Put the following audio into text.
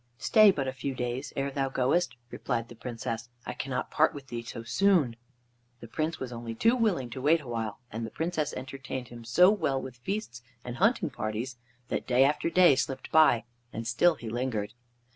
"Stay but a few days ere thou goest," replied the Princess. "I cannot part with thee so soon." The Prince was only too willing to wait a while, and the Princess entertained him so well with feasts and hunting parties that day after day slipped by, and still he lingered.